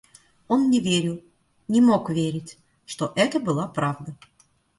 Он не верил, не мог верить, что это была правда.